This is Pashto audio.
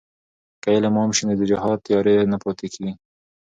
که علم عام سي نو د جهالت تیارې نه پاتې کېږي.